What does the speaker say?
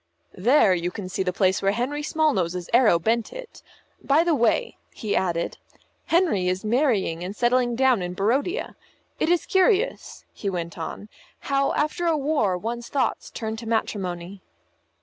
"There, you can see the place where Henry Smallnose's arrow bent it. By the way," he added, "Henry is marrying and settling down in Barodia. It is curious," he went on, "how after a war one's thoughts turn to matrimony."